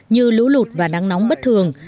như lũ lụt và nắng nóng bất thường